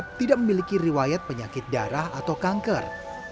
dan asep tidak memiliki riwayat penyakit darah atau kanker